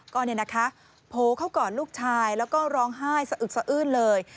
ก็โผล่เข้าก่อนลูกชายแล้วก็ร้องไห้สะอึกเลย